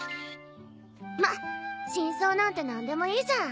まっ真相なんて何でもいいじゃん。